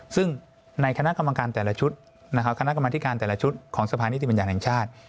ซึ่งในคณะกรรมการแต่ละชุดนะครับคณะกรรมธิการแต่ละชุดของสภานิติบัญญัติแห่งชาติ